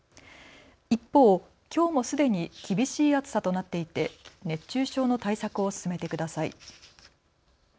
一方、きょうもすでに厳しい暑さとなっていて熱中症の対策を進めてください。